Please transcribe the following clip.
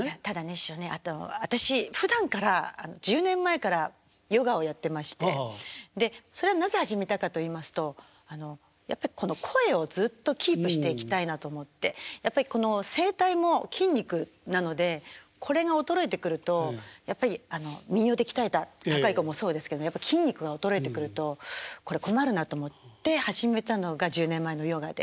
師匠あと私ふだんから１０年前からヨガをやってましてそれはなぜ始めたかといいますとやっぱこの声をずっとキープしていきたいなと思ってやっぱりこの声帯も筋肉なのでこれが衰えてくるとやっぱり民謡で鍛えた高い声もそうですけどやっぱり筋肉が衰えてくるとこれ困るなと思って始めたのが１０年前のヨガで。